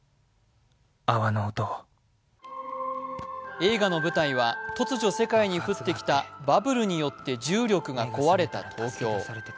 映画の舞台は突如世界に降ってきた泡によって重力が壊れた東京。